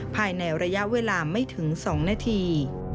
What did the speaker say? ภายในระยะเวลาไม่ถึง๒นาที